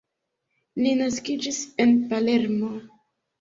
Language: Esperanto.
Li naskiĝis en Palermo.